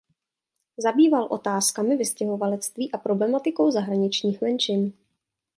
Zabýval otázkami vystěhovalectví a problematikou zahraničních menšin.